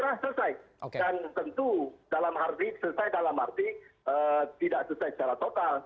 dan tentu dalam arti selesai dalam arti tidak selesai secara total